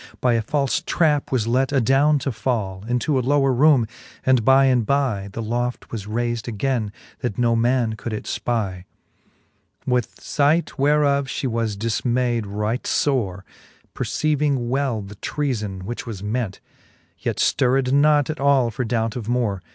By a falfe trap was let adowne to fall Into a lower roome, and by and by The loft was rayfd againe, that no man could it Ipic. XXVIII. With fight whereof fhe was difmayd right fore, Perceiving well the treafon, which was ment : Yet fllrred not at all for doubt of more.